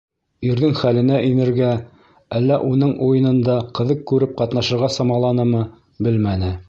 Ирҙең хәленә инергә, әллә уның уйынында ҡыҙыҡ күреп ҡатнашырға самаланымы, белмәне.